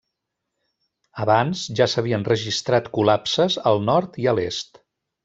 Abans, ja s'havien registrat col·lapses al nord i a l'est.